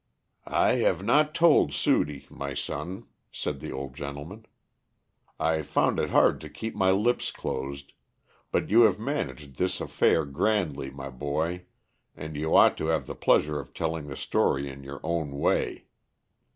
"I have not told Sudie, my son," said the old gentleman. "I found it hard to keep my lips closed, but you have managed this affair grandly, my boy, and you ought to have the pleasure of telling the story in your own way.